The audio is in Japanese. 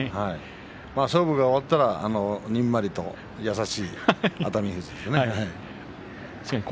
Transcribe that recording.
勝負が終わったらにんまりと優しい熱海富士ですね。